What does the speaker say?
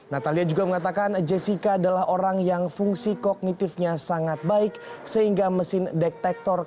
natalia juga mengatakan jessica adalah orang yang fungsi kognitifnya sangat baik sehingga mesin detektor